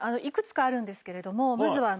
いくつかあるんですけれどもまず。